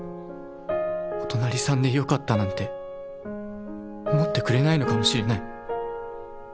「お隣さんでよかった」なんて思ってくれないのかもしれない